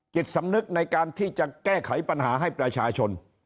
จิตสำนึกในการที่จะแก้ไขปัญหาให้ประชาชน